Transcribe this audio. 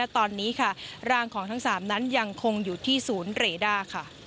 ตอนนี้ค่ะร่างของทั้ง๓นั้นยังคงอยู่ที่ศูนย์เรด้าค่ะ